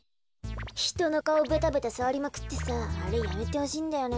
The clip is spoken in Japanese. ひとのかおベタベタさわりまくってさあれやめてほしいんだよね。